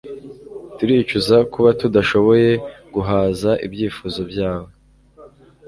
Turicuza kuba tudashoboye guhaza ibyifuzo byawe